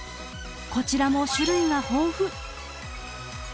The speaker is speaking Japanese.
こちらも種類が豊富。